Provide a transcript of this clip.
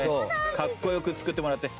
かっこ良く作ってもらって。